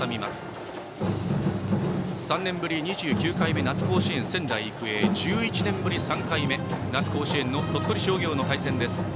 ３年ぶり２９回目の夏の甲子園、仙台育英と１１年ぶり３回目鳥取商業との対戦です。